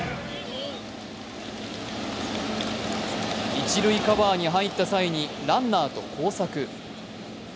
一塁カバーに入った際にランナーと交錯。